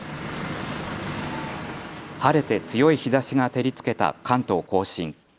晴れて強い日ざしが照りつけた関東甲信。